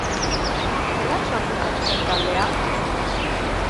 Zelan sortu zenuten taldea?